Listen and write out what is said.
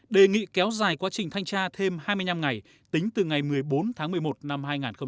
đề nghị kéo dài quá trình thanh tra thêm hai mươi năm ngày tính từ ngày một mươi bốn tháng một mươi một năm hai nghìn hai mươi